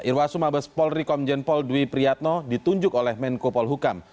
irwasu mabes polri komjen pol dwi priyatno ditunjuk oleh menko polhukam